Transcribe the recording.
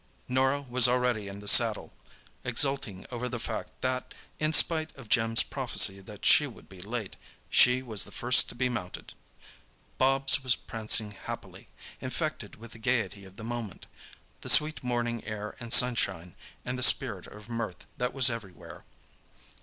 Norah was already in the saddle, exulting over the fact that, in spite of Jim's prophecy that she would be late, she was the first to be mounted. Bobs was prancing happily, infected with the gaiety of the moment, the sweet morning air and sunshine, and the spirit of mirth that was everywhere.